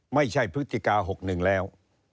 ไม่ใช่พฤติกา๖๑แล้ว